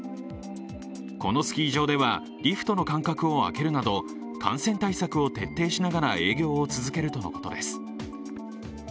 このスキー場ではリフトの間隔を空けるなど感染対策を徹底しながら営業を続けるとのことです。